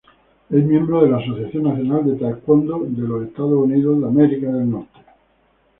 Es miembro de la Asociación Nacional de Taekwondo de los Estados Unidos.